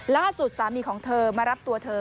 ล่าสุดสามีของเธอมารับตัวเธอ